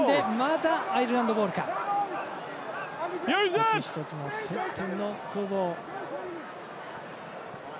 一つ一つの接点の攻防。